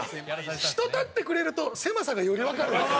人立ってくれると狭さがよりわかるね。